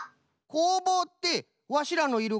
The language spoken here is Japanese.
「こうぼう」ってわしらのいる